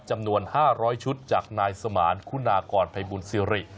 จำนวน๕๐๐ชุดจากนายสมานคุณากรภัยบุญสิริ